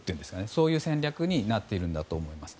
そういう戦略になっているんだと思います。